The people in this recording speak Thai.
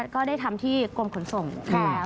ก็ได้ทำที่กรมขนส่งแล้ว